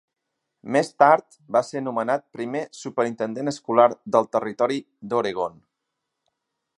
Més tard va ser nomenat primer superintendent escolar del territori d'Oregon.